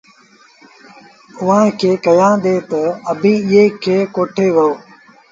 اُئآݩٚ کي ڪهيآندي تا، ”اڀيٚنٚ ايٚئي کي ڪوٺي وهو